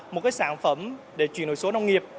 một cái sản phẩm để chuyển đổi số nông nghiệp